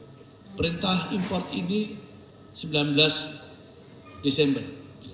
jadi perintah import ini sembilan belas desember